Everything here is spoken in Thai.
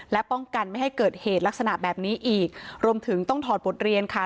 และป้องกันไม่ให้เกิดเหตุลักษณะแบบนี้อีกรวมถึงต้องถอดบทเรียนค่ะ